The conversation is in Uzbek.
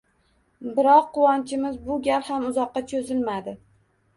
Biroq quvonchimiz bu gal ham uzoqqa cho`zilmadi